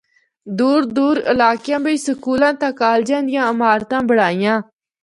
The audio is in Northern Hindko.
دور دور علاقیاں بچ سکولاں تے کالجاں دیاں عمارتاں بنڑائیاں۔